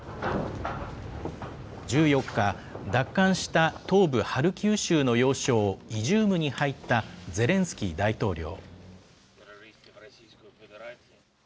１４日、奪還した東部ハルキウ州の要衝、イジュームに入ったゼレンスキー大統領。